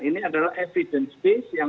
ini adalah evidence base yang